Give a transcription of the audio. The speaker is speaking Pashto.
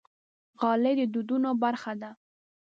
غالۍ د دودونو برخه ده.